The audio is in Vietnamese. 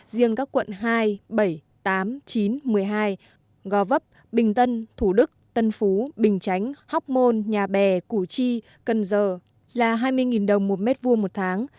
riêng các quận hai bảy tám chín một mươi hai gò vấp bình tân thủ đức tân phú bình chánh hóc môn nhà bè củ chi cần giờ là hai mươi đồng một mét vuông một tháng